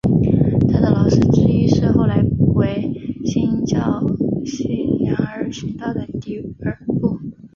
他的老师之一是后来为新教信仰而殉道的迪布尔。